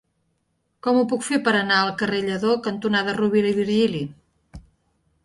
Com ho puc fer per anar al carrer Lledó cantonada Rovira i Virgili?